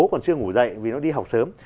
còn chưa ngủ dậy vì nó đi học sớm